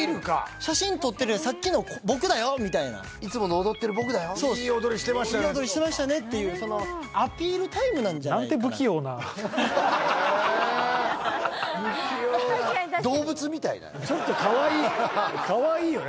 写真撮ってるんはさっきの僕だよみたいないつもの踊ってる僕だよいい踊りしてましたよねいい踊りしてましたねっていうアピールタイムなんじゃないかな動物みたいだねちょっとかわいいかわいいよね